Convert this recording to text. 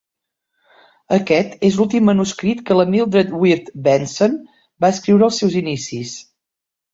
Aquest és l'últim manuscrit que la Mildred Wirt Benson va escriure als seus inicis.